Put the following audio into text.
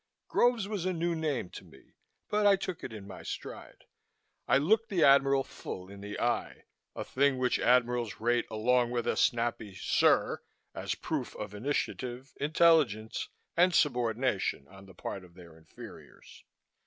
Groves was a new name to me but I took it in my stride. I looked the Admiral full in the eye a thing which Admirals rate along with a snappy "Sir!" as proof of initiative, intelligence and subordination on the part of their inferiors.